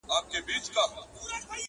جنازې دي د بګړیو هدیرې دي چي ډکیږي٫